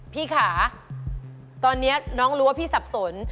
พี่ค่ะตอนนี้น้องรู้ว่าพี่สับสน